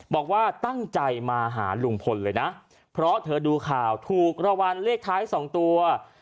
บอกว่าตั้งใจมาหาลุงพลเลยนะเพราะเธอดูข่าวถูกรางวัลเลขท้าย๒ตัว